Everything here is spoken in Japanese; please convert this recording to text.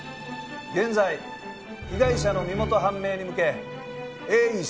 現在被害者の身元判明に向け鋭意捜査中。